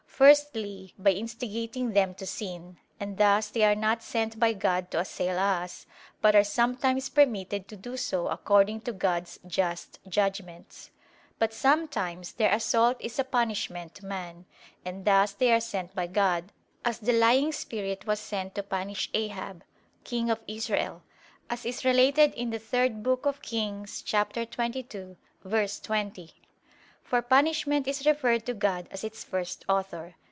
Firstly by instigating them to sin; and thus they are not sent by God to assail us, but are sometimes permitted to do so according to God's just judgments. But sometimes their assault is a punishment to man: and thus they are sent by God; as the lying spirit was sent to punish Achab, King of Israel, as is related in 3 Kings 22:20. For punishment is referred to God as its first author.